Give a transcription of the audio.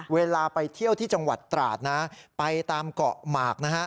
เวลาไปเที่ยวที่จังหวัดตราดนะไปตามเกาะหมากนะฮะ